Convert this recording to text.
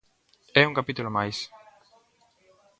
É un capítulo máis.